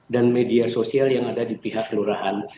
dan media sosial yang ada di pihak kelurahan